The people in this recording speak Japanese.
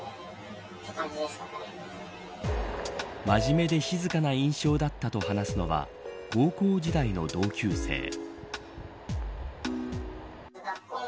真面目で静かな印象だったと話すのは高校時代の同級生。